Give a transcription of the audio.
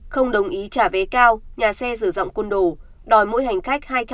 không đồng ý trả vé cao nhà xe rửa rộng côn đồ đòi mỗi hành khách